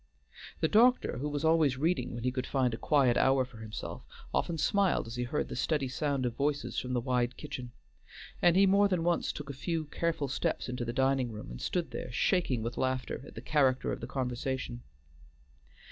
The doctor, who was always reading when he could find a quiet hour for himself, often smiled as he heard the steady sound of voices from the wide kitchen, and he more than once took a few careful steps into the dining room, and stood there shaking with laughter at the character of the conversation.